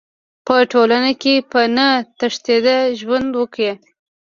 په ټولنه کې په نه تشدد ژوند وکړي.